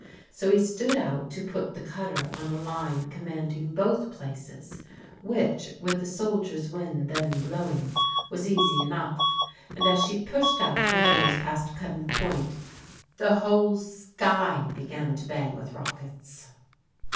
So he stood out to put the cutter on a line commanding both places, which, with the soldier's wind then blowing, was easy enough; and as she pushed out her nose past Cuddan Point the whole sky began to bang with rockets.